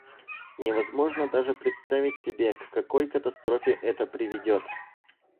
Невозможно даже представить себе, к какой катастрофе это приведет.